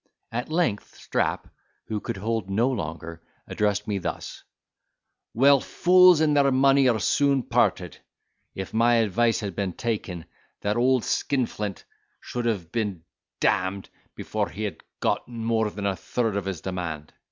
At length, Strap, who could hold no longer, addressed me thus: "Well, fools and their money are soon parted. If my advice had been taken, that old skin flint should have been d—n'd before he had got more than the third of his demand.